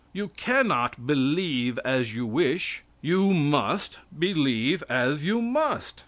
You cannot believe as you wish. You must believe as you must.